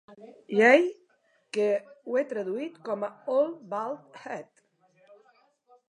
Jai’, que ho he traduït com a ‘old bald head’.